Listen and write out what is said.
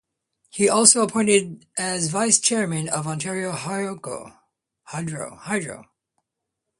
He was also appointed as a vice-chairman of Ontario Hydro.